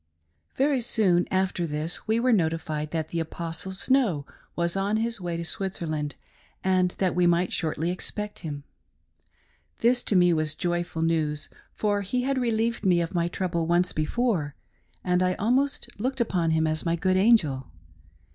VERY soon after this we were notified that the Apostle Snow was on his way to Switzerland, and that we might shortly expect him. This to me was joyful news, for he had relieved me of my trouble once before, and I almost looked upon him as my good angel.